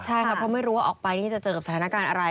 ใช่ค่ะเพราะไม่รู้ว่าออกไปนี่จะเจอกับสถานการณ์อะไร